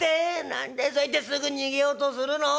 何でそうやってすぐ逃げようとするの？